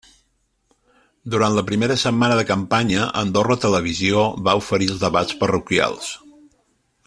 Durant la primera setmana de campanya, Andorra Televisió va oferir els debats parroquials.